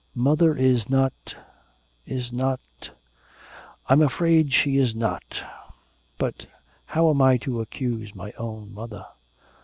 'Mother is not is not I'm afraid she is not But how am I to accuse my own mother.'